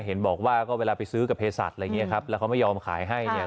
เห็นบอกว่าก็เวลาไปซื้อกับเพศัตว์อะไรอย่างเงี้ครับแล้วเขาไม่ยอมขายให้เนี่ย